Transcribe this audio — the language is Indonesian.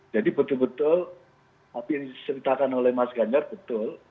jadi betul betul apa yang diseritakan oleh mas ganjar betul